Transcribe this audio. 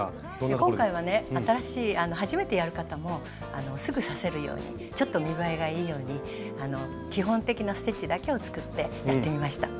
今回はね新しい初めてやる方もすぐ刺せるようにちょっと見栄えがいいように基本的なステッチだけを使ってやってみました。